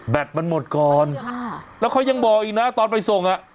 มันหมดก่อนค่ะแล้วเขายังบอกอีกนะตอนไปส่งอ่ะ